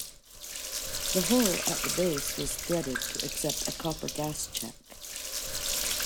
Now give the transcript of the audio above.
The hole at the base was threaded to accept a copper gas check.